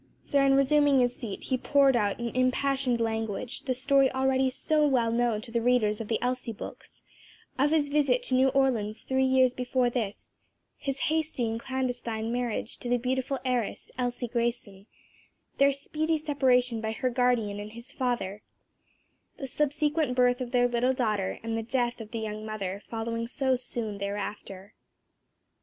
Then resuming his seat he poured out in impassioned language, the story already so well known to the readers of the Elsie books of his visit to New Orleans three years before this, his hasty and clandestine marriage to the beautiful heiress, Elsie Grayson, their speedy separation by her guardian and big father, the subsequent birth of their little daughter and the death of the young mother, following so soon thereafter.